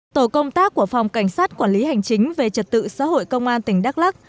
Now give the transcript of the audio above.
tổ công tác của phòng cảnh sát quản lý hành chính về trật tự xã hội công an tỉnh đắk lắc